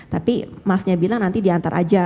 tapi masnya bilang nanti diantar aja